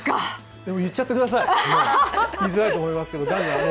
でも言っちゃってください言いづらいと思うんですが。